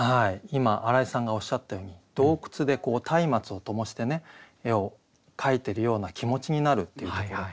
今荒井さんがおっしゃったように洞窟でたいまつをともしてね絵を描いてるような気持ちになるっていうところ。